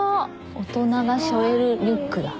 大人がしょえるリュックだ。